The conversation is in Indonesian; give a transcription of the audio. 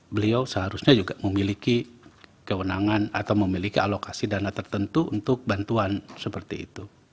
beliau seharusnya juga memiliki kewenangan atau memiliki alokasi dana tertentu untuk bantuan seperti itu